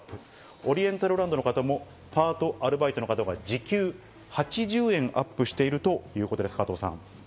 オリエンタルランドの方もパート・アルバイトの方が時給８０円アップしているということです、加藤さん。